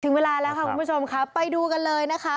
ถึงเวลาแล้วกันค่ะคุณผู้ชมไปดูกันเลยนะคะ